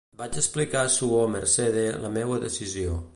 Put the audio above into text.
Vaig explicar a suor Mercede la meua decisió.